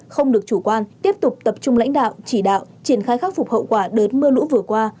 không được chủ quan tiếp tục tập trung lãnh đạo chỉ đạo triển khai khắc phục hậu quả đợt mưa lũ vừa qua